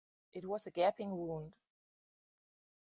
It was a gaping wound.